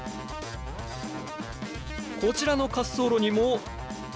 こちらの滑走路にも。